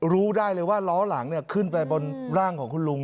รู้ได้เลยว่าล้อหลังขึ้นไปบนร่างของคุณลุง